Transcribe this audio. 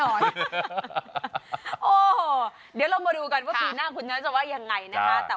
โอ้โหเดี๋ยวเรามาดูกันว่าปีหน้าคุณนั้นจะว่ายังไงนะคะ